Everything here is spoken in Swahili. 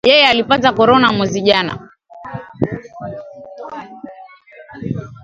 Yeye alipata korona mwezi jana